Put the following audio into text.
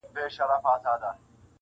په غمونو پسي تل د ښادۍ زور وي-